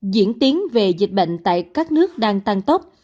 diễn tiến về dịch bệnh tại các nước đang tăng tốc